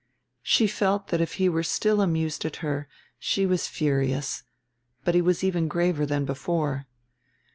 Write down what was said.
She felt that if he were still amused at her she was furious, but he was even graver than before.